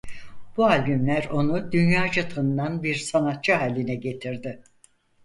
Bu albümler onu dünyaca tanınan bir sanatçı haline getirdi.